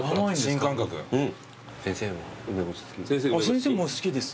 先生も好きですね。